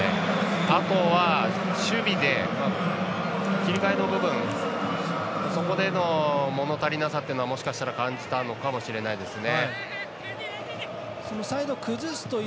あとは守備で切り替えの部分そこでのもの足りなさというのももしかしたら感じたのかもしれないですね。